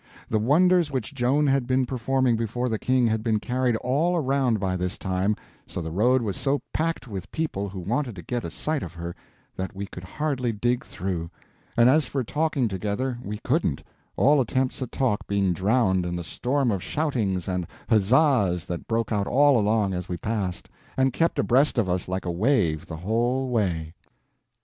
The wonders which Joan had been performing before the King had been carried all around by this time, so the road was so packed with people who wanted to get a sight of her that we could hardly dig through; and as for talking together, we couldn't, all attempts at talk being drowned in the storm of shoutings and huzzas that broke out all along as we passed, and kept abreast of us like a wave the whole way.